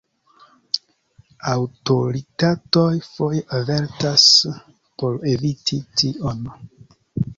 Aŭtoritatoj foje avertas por eviti tion.